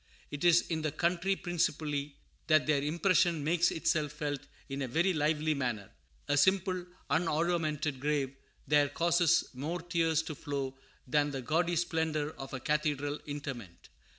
It is in the country principally that their impression makes itself felt in a very lively manner. A simple, unoruamented grave there causes more tears to flow than the gaudy splendor of a cathedral interment.